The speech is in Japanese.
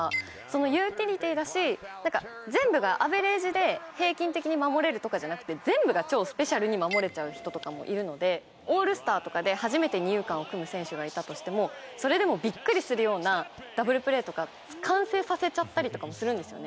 ユーティリティーだし全部がアベレージで平均的に守れるとかじゃなくて全部が超スペシャルに守れちゃう人とかもいるのでオールスターとかで初めて二遊間を組む選手がいたとしてもそれでもビックリするようなダブルプレーとか完成させちゃったりとかもするんですよね。